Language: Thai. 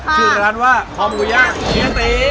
ชื่อร้านว่าคอหมูย่างเฮียตี